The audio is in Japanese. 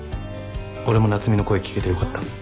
俺も夏海の声聞けてよかった。